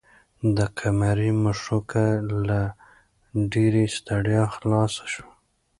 د قمرۍ مښوکه له ډېرې ستړیا خلاصه شوه.